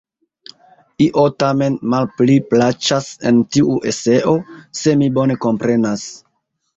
Io tamen malpli plaĉas en tiu eseo, se mi bone komprenas.